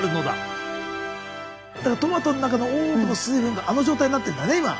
だからトマトの中の多くの水分があの状態になってんだね